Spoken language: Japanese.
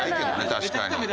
確かに。